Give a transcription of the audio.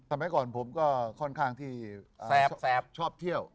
สมัยก่อนผมก็ค่อนข้างที่แสบชอบเที่ยว